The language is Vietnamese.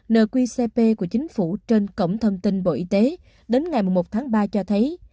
nờ quy cp của chính phủ trên cổng thông tin bộ y tế đến ngày một tháng ba cho thấy